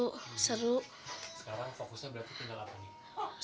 sekarang fokusnya berarti tinggal apa nih